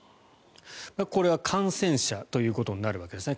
これは感染者ということになるわけですね。